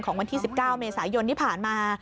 วันที่๑๙เมษายนที่ผ่านมา